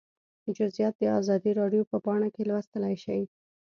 جزییات د ازادي راډیو په پاڼه کې لوستلی شئ